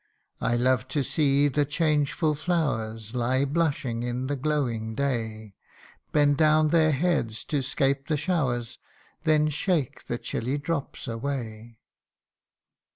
I love to see the changeful flowers Lie blushing in the glowing day, Bend down their heads to 'scape the showers, Then shake the chilly drops away.'